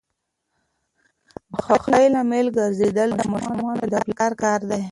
د خوښۍ لامل ګرځیدل د ماشومانو د پلار کار دی.